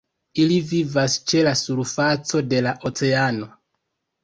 Ili vivas ĉe la surfaco de la oceano.